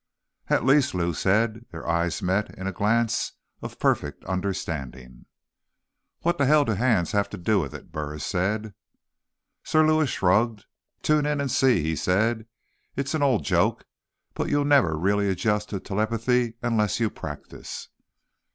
"At least," Lou said. Their eyes met in a glance of perfect understanding. "What the hell do hands have to do with it?" Burris said. Sir Lewis shrugged. "Tune in and see," he said. "It's an old joke; but you'll never really adjust to telepathy unless you practice."